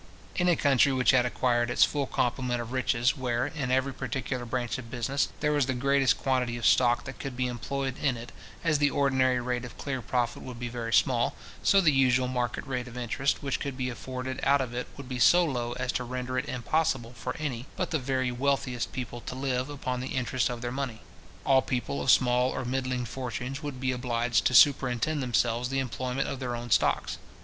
In a country which had acquired its full complement of riches, where, in every particular branch of business, there was the greatest quantity of stock that could be employed in it, as the ordinary rate of clear profit would be very small, so the usual market rate of interest which could be afforded out of it would be so low as to render it impossible for any but the very wealthiest people to live upon the interest of their money. All people of small or middling fortunes would be obliged to superintend themselves the employment of their own stocks.